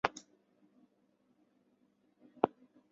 马凯也是一位诗人。